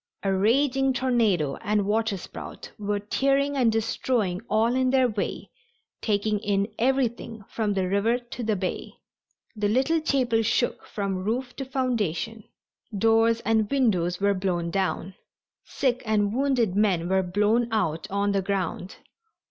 A raging tornado and waterspout were tearing and destroying all in their way, taking in everything from the river to the bay. The little chapel shook from roof to foundation. Doors and windows were blown down. Sick and wounded men were blown out on the ground.